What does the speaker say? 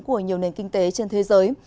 của nhiều nền kinh tế trên thế giới